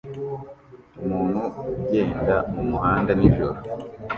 Umuntu ugenda mumuhanda nijoro